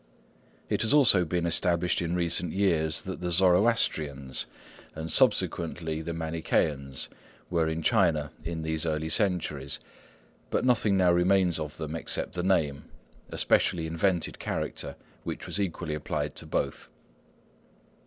It has also been established in recent years that the Zoroastrians, and subsequently the Manichæans, were in China in these early centuries, but nothing now remains of them except the name, a specially invented character, which was equally applied to both.